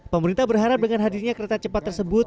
pemerintah berharap dengan hadirnya kereta cepat tersebut